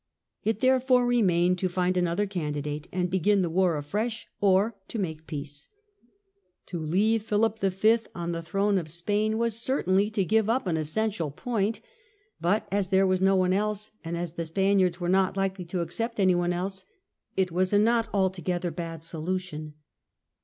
It therefore remained to find another candidate and begin the war afresh, or to make peace. To leave Philip V. on the throne of Spain was HARLEY AND ST. JOHN. 1 27 certainly to give up an essential point. But as there was no one else, and as the Spaniards were not likely to accept any one else, it was a not altogether bad solution.